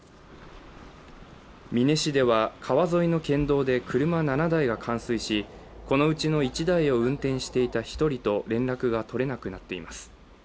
美祢市では川沿いの県道で車７台が冠水しこのうちの１台を運転していた１人と連絡が取れなくなっています。